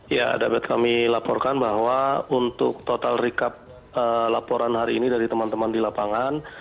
ya dapat kami laporkan bahwa untuk total recap laporan hari ini dari teman teman di lapangan